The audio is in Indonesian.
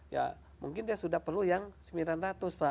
ya mungkin dia sudah perlu yang sembilan ratus pak